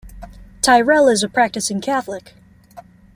Tyrrell is a practicing Catholic.